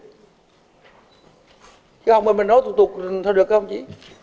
chứ không mà nói tục tục thôi được không chị